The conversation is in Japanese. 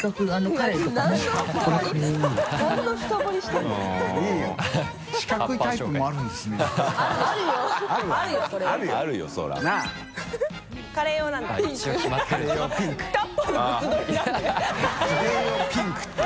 カレー用ピンク」って